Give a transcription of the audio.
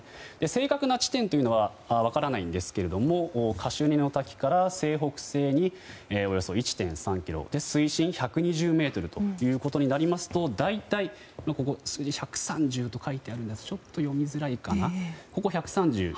正確な地点というのは分からないんですがカシュニの滝から西北西におよそ１．３ｋｍ水深１２０ｍということになりますと大体、この数字１３０と書いてありますがちょっと読みづらいかな。